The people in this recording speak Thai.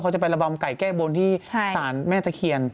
เขาจะไประบำไก่แก้บนที่สารแม่ตะเคียน